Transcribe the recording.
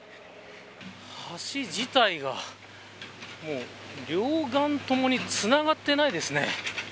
橋自体が両岸ともにつながっていないですね。